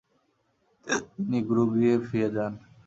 তিনি গুরুগৃহে ফিরে যান।